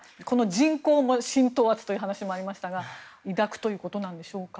人口も浸透圧という話がありましたが、不安を抱くということなんでしょうか。